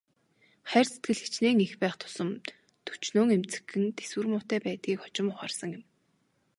Хайр сэтгэл хэчнээн их байх тусам төчнөөн эмзэгхэн, тэсвэр муутай байдгийг хожим ухаарсан юм.